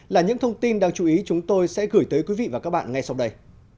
là những thông tin đáng chú ý chúng tôi sẽ gửi tới quý vị và các bạn ngay sau đây